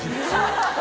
ハハハ